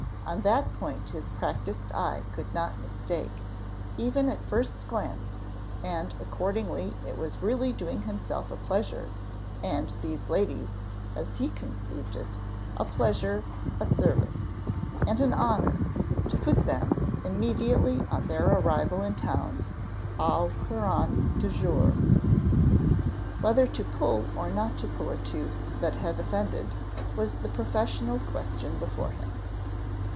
On that point his practised eye could not mistake, even at first glance; and accordingly it was really doing himself a pleasure, and these ladies, as he conceived it, a pleasure, a service, and an honour, to put them, immediately on their arrival in town, au courant du jour. Whether to pull or not to pull a tooth that had offended, was the professional question before him.